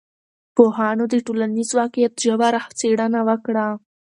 پوهانو د ټولنیز واقعیت ژوره څېړنه وکړه.